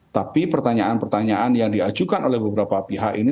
tapi pertanyaan pertanyaan yang diajukan oleh beberapa pihak ini